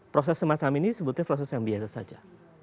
proses semacam ini sebetulnya proses yang biasa saja